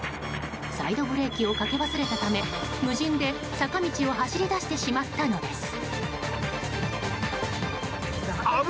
サイドブレーキをかけ忘れたため無人で坂道を走り出してしまったのです。